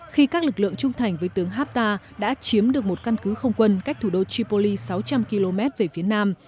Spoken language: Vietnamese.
khi các lực lượng trung thành với tướng haftar đã chiếm được một căn cứ không quân cách thủ đô tripoli sáu trăm linh km về phía nam